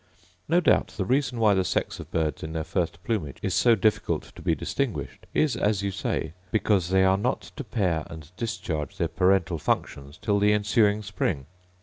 No doubt the reason why the sex of birds in their first plumage is so difficult to be distinguished is, as you say, 'because they are not to pair and discharge their parental functions till the ensuing spring.